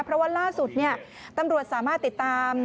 เพราะว่าล่าสุดตำรวจสามารถติดตาม